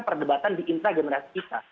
perdebatan di intra generasi kita